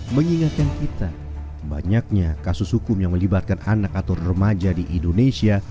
mengingatkan kita banyaknya kasus hukum yang melibatkan anak atau remaja di indonesia